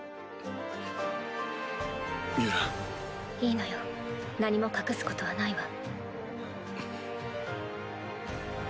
いいのよ何も隠すことはないわ。